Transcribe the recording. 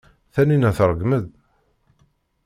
Taninna tṛeggem-d.